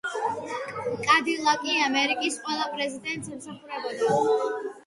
კადილაკი ამერიკის ყველა პრეზიდენტს ემსახურებოდა.